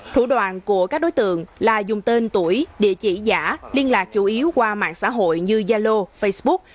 thủ đoạn của các đối tượng là dùng tên tuổi địa chỉ giả liên lạc chủ yếu qua mạng xã hội như yalo facebook